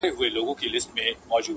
يوه ورځ هم هېره شوې وي.